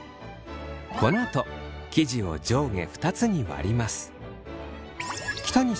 このあと生地を上下２つに割ります。